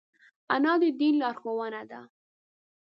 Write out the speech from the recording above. انا د دین لارښوده ده